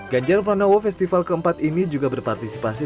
ganjar pranowo festival ke empat ini juga berpartisipasi